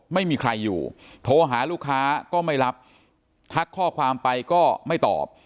ไม่มีใครอยู่โทรหาลูกค้าก็ไม่รับทักข้อความไปก็ไม่ตอบ